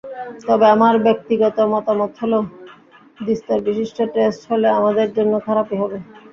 তবে আমার ব্যক্তিগত মতামত হলো দ্বিস্তরবিশিষ্ট টেস্ট হলে আমাদের জন্য খারাপই হবে।